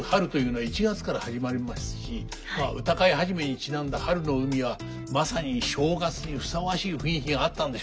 歌会始にちなんだ「春の海」はまさに正月にふさわしい雰囲気があったんでしょうね。